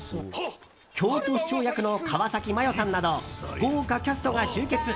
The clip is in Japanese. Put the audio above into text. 京都市長役の川崎麻世さんなど豪華キャストが集結。